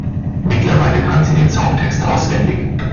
Mittlerweile kann sie den Songtext auswendig.